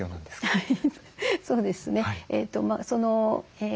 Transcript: はい。